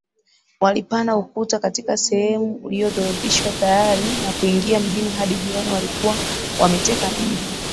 walipanda ukuta katika sehemu uliyodhoofishwa tayari na kuingia mjini Hadi jioni walikuwa wameteka mji